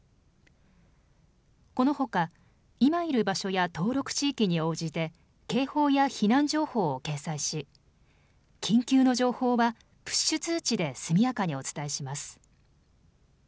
このほか今いる場所や登録地域に応じて警報や避難情報を掲載し緊急の情報はプッシュ通知で速やかにお伝えします。